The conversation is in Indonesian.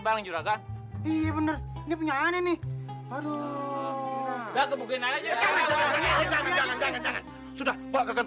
baleng juragan iya bener ini punya aneh nih aduh jangan jangan jangan sudah bawa ke